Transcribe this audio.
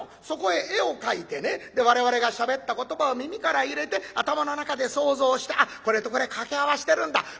そこへ絵を描いてねで我々がしゃべった言葉を耳から入れて頭の中で想像して「あっこれとこれ掛け合わせてるんだ」